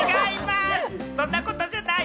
そんなことじゃない！